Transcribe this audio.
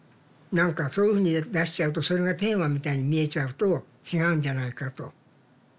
何かそういうふうに出しちゃうとそれがテーマみたいに見えちゃうと違うんじゃないかと。